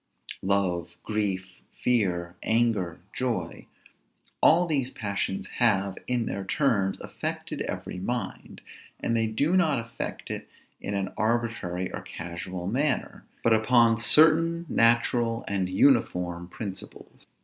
Love, grief, fear, anger, joy, all these passions have, in their turns, affected every mind; and they do not affect it in an arbitrary or casual manner, but upon certain, natural, and uniform principles.